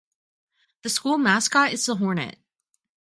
The school mascot is the Hornet.